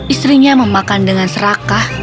istrinya memakan dengan serakah